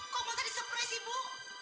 kok mau jadi surprise ibu